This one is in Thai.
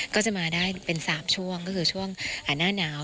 ก็จะมาได้เป็น๓ช่วงก็คือช่วงหน้าหนาว